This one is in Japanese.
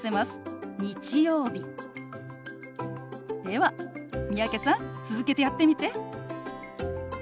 では三宅さん続けてやってみて。